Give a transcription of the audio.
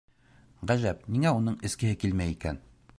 Ғәжәп, ниңә уның эскеһе килмәй икән?